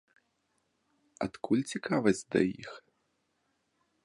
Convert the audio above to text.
Адкуль цікавасць да іх?